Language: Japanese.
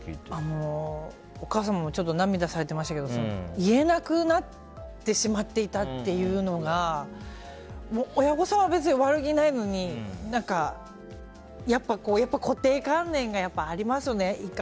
お母さんも涙されてましたけど言えなくなってしまっていたっていうのが親御さんは別に悪気ないのに固定観念がありますよね。